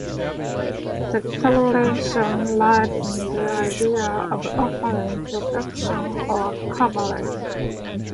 The correlation lies in the idea of offering protection or covering.